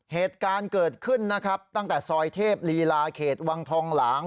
เหตุการณ์เกิดขึ้นนะครับตั้งแต่ซอยเทพลีลาเขตวังทองหลาง